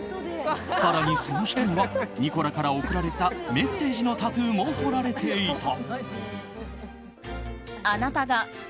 更にその下にはニコラから送られたメッセージのタトゥーも彫られていた。